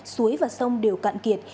suối và sông đều cạn kiệt